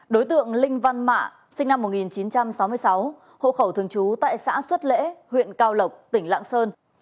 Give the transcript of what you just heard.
đối tượng linh văn mạ sinh năm một nghìn chín trăm sáu mươi sáu hộ khẩu thường trú tại xã xuất lễ huyện cao lộc tỉnh lạng sơn